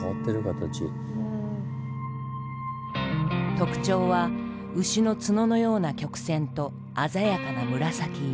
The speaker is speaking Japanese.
特徴は牛の角のような曲線と鮮やかな紫色。